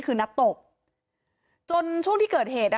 กลุ่มวัยรุ่นฝั่งพระแดง